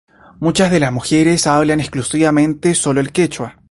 Muchas de las mujeres hablan exclusivamente sólo el quechua.